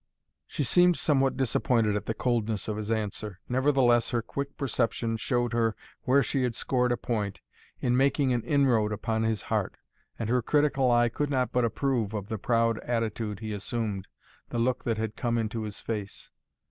She seemed somewhat disappointed at the coldness of his answer, nevertheless her quick perception showed her where she had scored a point, in making an inroad upon his heart. And her critical eye could not but approve of the proud attitude he assumed, the look that had come into his face.